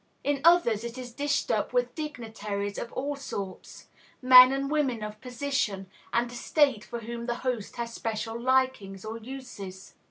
In others, it is dished up with Dignitaries of all sorts; men and women of position and estate for whom the host has special likings or uses.